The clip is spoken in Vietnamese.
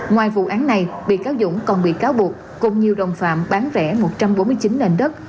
ngoài vụ án này bị cáo dũng còn bị cáo buộc cùng nhiều đồng phạm bán vẽ một trăm bốn mươi chín nền đất